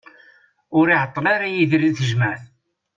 Ur iɛeṭṭel ara Yidir di tejmaɛt.